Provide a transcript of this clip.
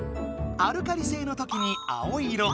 アルカリ性のときに青色。